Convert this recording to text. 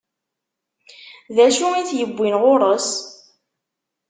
D acu i t-iwwin ɣur-s?